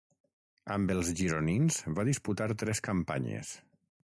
Amb els gironins va disputar tres campanyes.